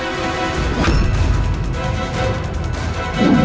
aku akan menangkapmu